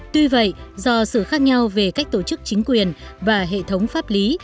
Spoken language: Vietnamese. tuy vậy do sự khác nhau về cách tổ chức chính quyền và hệ thống pháp lý